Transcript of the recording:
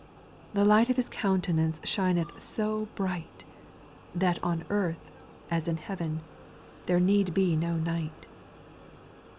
The light of His countenance Shineth so bright, That on earth, as in heaven, There need be no night.